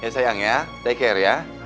ya sayang ya take care ya